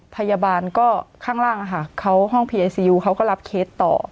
พยาบาลก็ข้างล่างอะค่ะเขาห้องพีไอซียูเขาก็รับเคสต่อ